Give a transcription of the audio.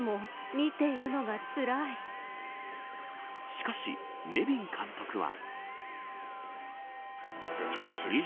しかし、ネビン監督は。